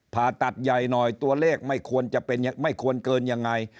ผ่าตัดใหญ่หน่อยตัวเลขไม่ควรจะเป็นไม่ควรเกินยังไง